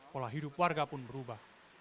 pola hidup warga pun berubah